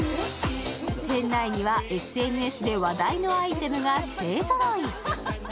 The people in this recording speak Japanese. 店内にはＳＮＳで話題のアイテムが勢ぞろい。